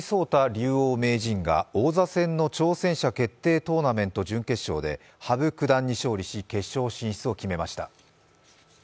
竜王・名人が王座戦の挑戦者決定トーナメント準決勝で羽生九段に勝利し決勝進出を決めました。